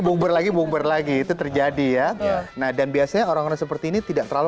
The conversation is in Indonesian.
bukber lagi bukber lagi itu terjadi ya nah dan biasanya orang orang seperti ini tidak terlalu